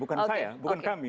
bukan saya bukan kami